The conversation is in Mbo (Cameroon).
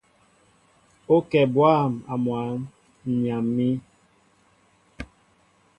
É kɛ bwâm a mwǎn , ǹ yam̀ín.